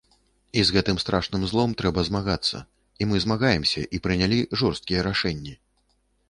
І з гэтым страшным злом трэба змагацца, і мы змагаемся і прынялі жорсткія рашэнні.